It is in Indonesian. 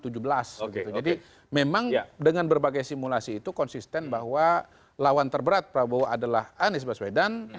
jadi memang dengan berbagai simulasi itu konsisten bahwa lawan terberat prabowo adalah anies baswedan